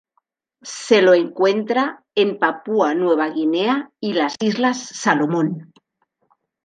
Se lo encuentra en Papúa Nueva Guinea y las islas Salomón.